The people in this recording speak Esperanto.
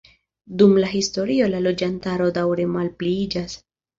Dum la historio la loĝantaro daŭre malpliiĝas.